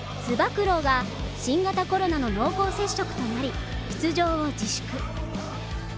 九郎が新型コロナの濃厚接触となり、出場を自粛。